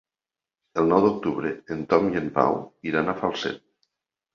El nou d'octubre en Tom i en Pau iran a Falset.